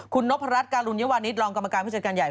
คุณนพรัชการุญวานิสรองกรรมการผู้จัดการใหญ่